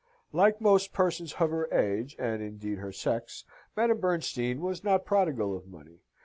Like most persons of her age, and indeed her sex, Madame Bernstein was not prodigal of money.